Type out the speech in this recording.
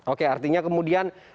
oke artinya kemudian